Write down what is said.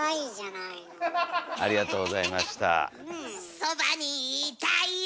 「そばにいたいよ」